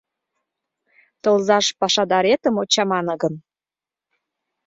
Тылзаш пашадаретым от чамане гын.